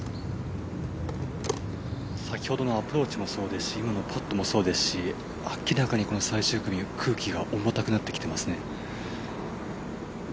先ほどのアプローチもそうですし今のパットもそうですし明らかに最終組空気が重たくなってきてますね。